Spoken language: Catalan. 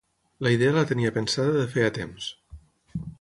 La idea la tenia pensada de feia temps.